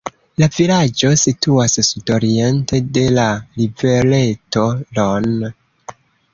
La vilaĝo situas sudoriente de la rivereto Ron.